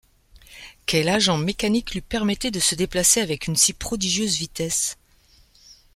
Quel agent mécanique lui permettait de se déplacer avec une si prodigieuse vitesse ?